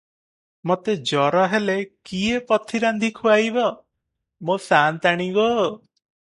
ମୋତେ ଜର ହେଲେ କିଏ ପଥି ରାନ୍ଧି ଖୁଆଇବ, ମୋ ସାଆନ୍ତାଣି ଗୋ!